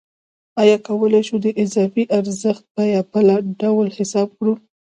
موږ کولای شو د اضافي ارزښت بیه بله ډول حساب کړو